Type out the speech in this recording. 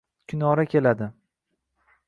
Kunora keladi.